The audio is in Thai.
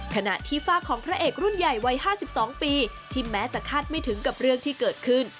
ขณะที่ฝากของพระเอกรุ่นใหญ่วัย๕๒ปีที่แม้จะคาดไม่ถึงกับเรื่องที่เกิดขึ้น